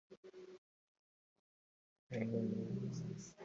abi heliba aba akimana abi rehobu abasheri bakomeje